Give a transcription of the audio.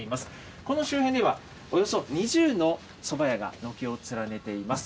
この周辺にはおよそ２０のそば屋が軒を連ねています。